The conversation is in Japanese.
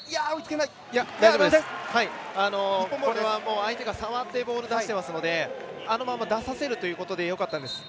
相手が触ってボールを出していますのであのまま出させるということでよかったんです。